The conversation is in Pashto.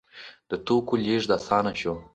د توکو لیږد اسانه شو.